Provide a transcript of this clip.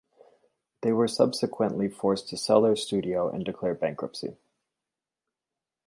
They were subsequently forced to sell their studio and declare bankruptcy.